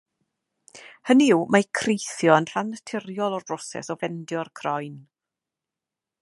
Hynny yw, mae creithio yn rhan naturiol o'r broses o fendio'r croen.